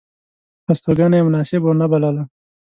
هستوګنه یې مناسبه ونه بلله.